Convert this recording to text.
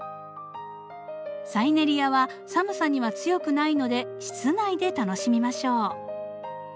サイネリアは寒さには強くないので室内で楽しみましょう。